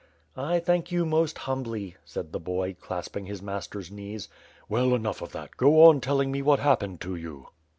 "I thank you most humbly," said the boy, clasping his master's knees. "Well, enough of that! Go on telling me what happened to you."